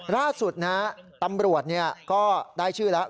ล่าสุดนะตำรวจก็ได้ชื่อแล้ว